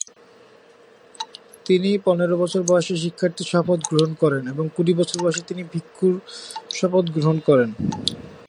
তিনি পনেরো বছর বয়সে শিক্ষার্থীর শপথ গ্রহণ করেন এবং কুড়ি বছর বয়সে তিনি ভিক্ষুর শপথ গ্রহণ করেন।